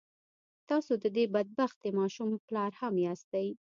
تاسو د دې بد بختې ماشومې پلار هم ياستئ.